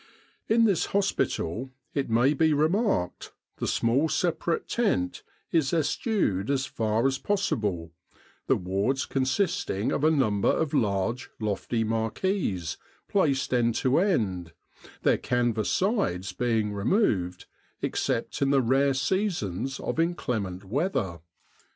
In this hospital, it may be remarked, the small separate tent is eschewed as far as possible, the wards consisting of a number of large, lofty marquees placed end to end, their canvas sides being removed, except in the rare seasons of incle ment weather.